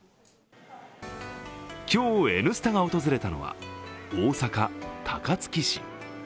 今日、「Ｎスタ」が訪れたのは大阪・高槻市。